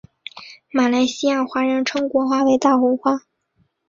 马来西亚华人称国花为大红花。